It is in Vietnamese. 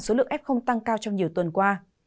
số lượng f tăng cao trong nhiều tuần qua